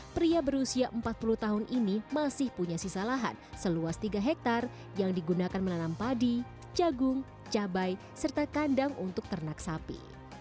pria berusia empat puluh tahun ini masih punya sisa lahan seluas tiga hektare yang digunakan menanam padi jagung cabai serta kandang untuk ternak sapi